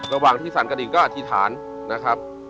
ระหว่างที่สั่นกระดิ่งก็อธิษฐานนะครับ